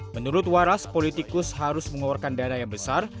menurut waras politikus harus mengeluarkan dana yang besar